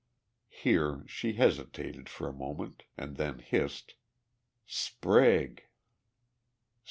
Here she hesitated for a moment and then hissed: "Sprague!"